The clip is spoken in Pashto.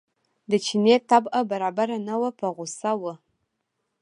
د چیني طبع برابره نه وه په غوسه و.